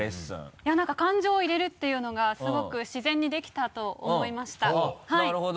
いやなんか感情を入れるっていうのがすごく自然にできたと思いましたなるほど。